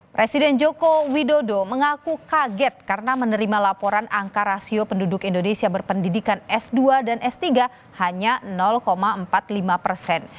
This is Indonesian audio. presiden joko widodo mengaku kaget karena menerima laporan angka rasio penduduk indonesia berpendidikan s dua dan s tiga hanya empat puluh lima persen